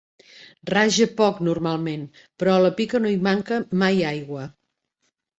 Raja poc normalment, però a la pica no hi manca mai aigua.